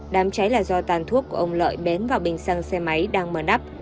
đám cháy là do tàn thuốc của ông lợi bén vào bình xăng xe máy đang mờ nắp